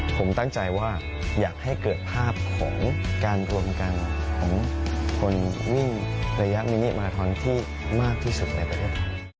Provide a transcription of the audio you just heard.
ผมตั้งใจว่าอยากให้เกิดภาพของการรวมกันของคนวิ่งระยะมินิมาทอนที่มากที่สุดในประเทศไทย